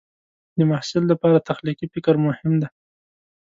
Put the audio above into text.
د محصل لپاره تخلیقي فکر مهم دی.